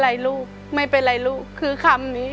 เดี๋ยวผมเอาไปให้นะพ่อนะเดี๋ยวกลับไปเลย